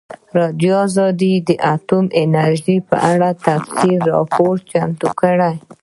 ازادي راډیو د اټومي انرژي په اړه تفصیلي راپور چمتو کړی.